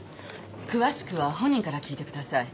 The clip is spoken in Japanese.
詳しくは本人から聞いてください。